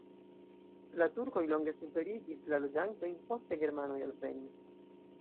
La turkoj longe suferigis la loĝantojn, poste germanoj alvenis.